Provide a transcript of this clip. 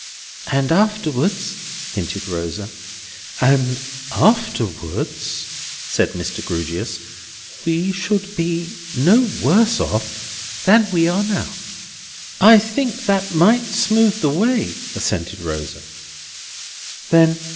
"And afterwards?" hinted Rosa. "And afterwards," said Mr. Grewgious, "we should be no worse off than we are now." "I think that might smooth the way," assented Rosa.